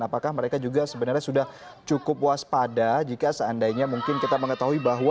apakah mereka juga sebenarnya sudah cukup waspada jika seandainya mungkin kita mengetahui bahwa